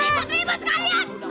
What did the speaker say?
terima kasih kalian